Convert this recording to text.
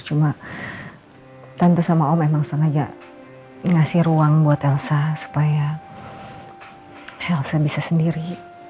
cuma tante sama om emang sengaja ngasih ruang buat elsa supaya elsa bisa sendiri